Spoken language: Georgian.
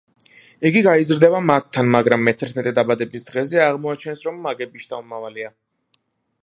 იგი გაიზრდება მათთან, მაგრამ მეთერთმეტე დაბადების დღეზე აღმოაჩენს, რომ მაგების შთამომავალია.